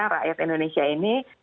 rakyat indonesia ini